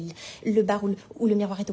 はい？